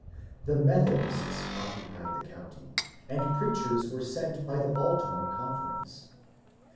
The Methodists occupied the county, and preachers were sent by the Baltimore Conference.